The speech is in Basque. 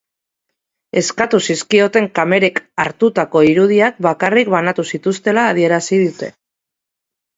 Eskatu zizkioten kamerek hartutako irudiak bakarrik banatu zituztela adierazi dute.